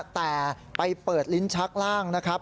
แต่ไปเปิดลิ้นชักล่างนะครับ